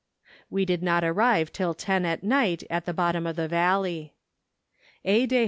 We did not arrive till ten at night at the bottom of the valley.